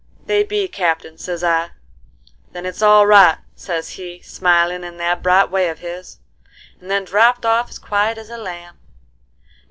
'They be, Captain,' sez I. 'Then it's all right,' sez he, smilin' in that bright way of his, and then dropped off as quiet as a lamb.